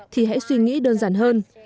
thì hãy suy nghĩ đơn giản hơn